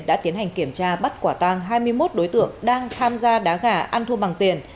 đã tiến hành kiểm tra bắt quả tang hai mươi một đối tượng đang tham gia đá gà ăn thua bằng tiền